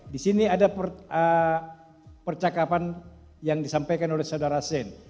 di sini ada percakapan yang disampaikan oleh saudara sen